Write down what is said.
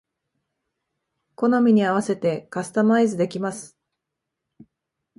好みに合わせてカスタマイズできます